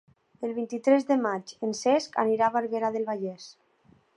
El vint-i-tres de maig en Cesc anirà a Barberà del Vallès.